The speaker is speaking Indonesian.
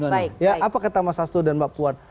pernah menyatakan pendapat mas sasto dan mbak puan